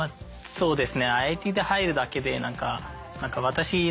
そうです。